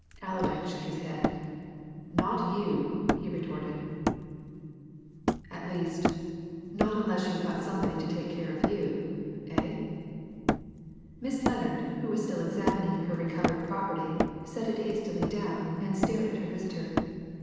Allerdyke shook his head, "Not you!" he retorted. "At least not unless you've somebody to take care of you. Eh?" Miss Lennard, who was still examining her recovered property, set it hastily down and stared at her visitor.